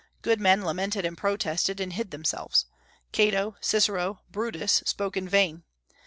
Good men lamented and protested, and hid themselves; Cato, Cicero, Brutus, spoke in vain.